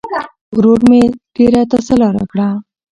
ورور مې ډېره تسلا راکړه.